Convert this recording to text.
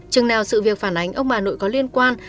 chừng nào sự việc phản ánh ông bà nội có liên quan